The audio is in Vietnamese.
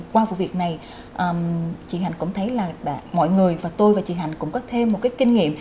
qua vụ việc này chị hạnh cũng thấy là mọi người và tôi và chị hạnh cũng có thêm một cái kinh nghiệm